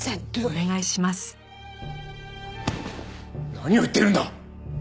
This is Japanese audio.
何を言ってるんだ！